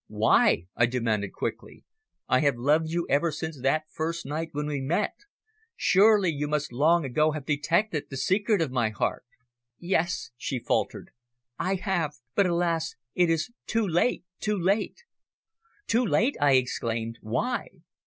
"Why?" I demanded quickly. "I have loved you ever since that first night when we met. Surely you must long ago have detected the secret of my heart." "Yes," she faltered, "I have. But alas! it is too late too late!" "Too late?" I exclaimed. "Why?"